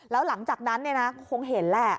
แล้วหลังจากนั้นคงเห็นแหละ